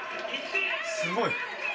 すごい！